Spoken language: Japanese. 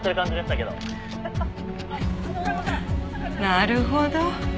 なるほど。